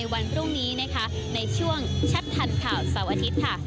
ตรงนี้ในช่วงแชปทันข่าวเสาร์อาทิตย์